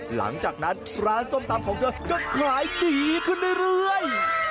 หลังจากนั้นร้านส้มตำของเธอก็ขายดีขึ้นเรื่อย